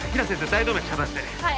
大動脈遮断して！